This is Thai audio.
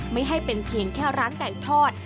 ไม่ให้เป็นเพียงแค่ร้านไก่ทอด